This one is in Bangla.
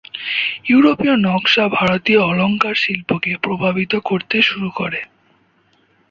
ইঊরোপীয় নকশা ভারতীয় অলঙ্কার শিল্পকে প্রভাবিত করতে শুরু করে।